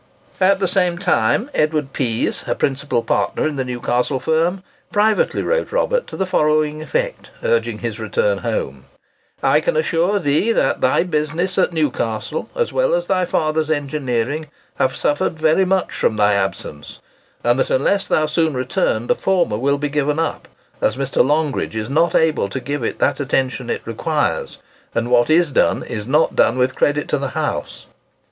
At the same time, Edward Pease, a principal partner in the Newcastle firm, privately wrote Robert to the following effect, urging his return home:—"I can assure thee that thy business at Newcastle, as well as thy father's engineering, have suffered very much from thy absence, and, unless thou soon return, the former will be given up, as Mr. Longridge is not able to give it that attention it requires; and what is done is not done with credit to the house."